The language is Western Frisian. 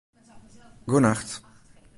Goenacht